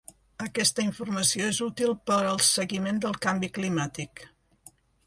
Aquesta informació és útil per al seguiment del canvi climàtic.